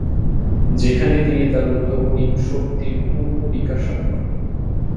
যেখানে তিনি তার উদ্ভাবনী শক্তির পূর্ন বিকাশ সাধন করেন।